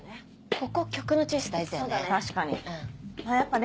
ここ曲のチョイス大事だよね。